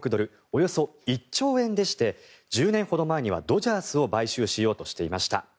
およそ１兆円でして１０年ほど前にはドジャースを買収しようとしていました。